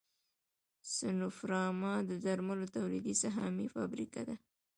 سنوفارما د درملو تولیدي سهامي فابریکه ده